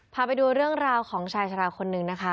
พาไปดูเรื่องราวของชายชะลาคนนึงนะคะ